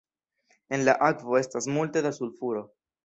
En la akvo estas multe da sulfuro.